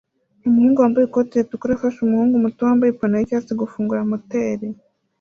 Umugore wambaye ikoti ritukura afasha umuhungu muto wambaye ipantaro yicyatsi gufungura moteri